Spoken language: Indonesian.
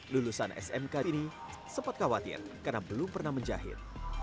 lulusan smk ini sempat khawatir karena belum pernah menjahit